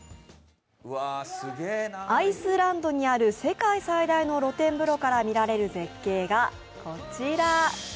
アイスランドにある世界最大の露天風呂から見える絶景がこちら。